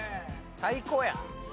最高やん。